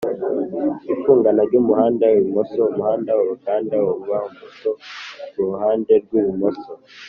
Ifungana ry'umuhanda ibumoso Umuhanda uragenda uba muto ku ruhande rw'ibumoso